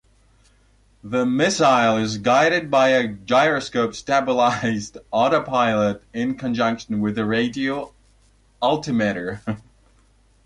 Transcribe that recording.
The missile is guided by a gyroscope-stabilized autopilot in conjunction with a radio altimeter.